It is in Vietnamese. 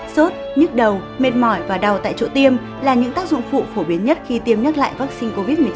sốt nhức đầu mệt mỏi và đau tại chỗ tiêm là những tác dụng phụ phổ biến nhất khi tiêm nhắc lại vaccine covid một mươi chín